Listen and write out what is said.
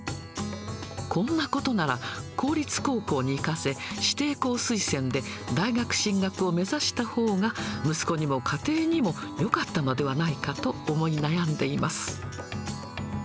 こんなことなら、公立高校に行かせ、指定校推薦で大学進学を目指したほうが息子にも家庭にもよかったのではないかと思い悩んでいます。